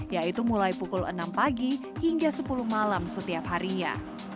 yaitu mulai pukul enam pagi hingga sepuluh malam setiap harinya